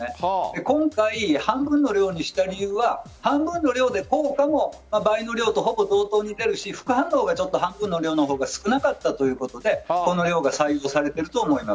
今回、半分の量にした理由は半分の量で効果も倍の量とほぼ同等になるし副反応が半分の量の方が少なかったということでこの量が採用されていると思います。